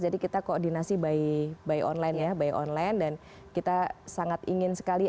jadi kita koordinasi by online ya by online dan kita sangat ingin sekali